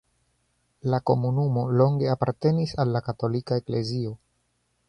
La komunumo longe apartenis al la katolika eklezio.